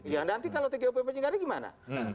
ya nanti kalau tgpp tidak ada gimana